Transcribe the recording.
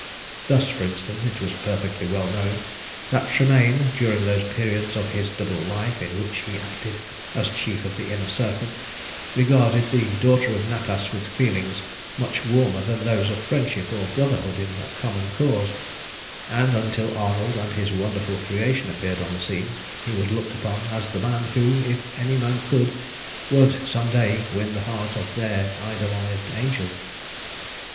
Thus, for instance, it was perfectly well known that Tremayne, during those periods of his double life in which he acted as Chief of the Inner Circle, regarded the daughter of Natas with feelings much warmer than those of friendship or brotherhood in a common cause, and until Arnold and his wonderful creation appeared on the scene, he was looked upon as the man who, if any man could, would some day win the heart of their idolised Angel.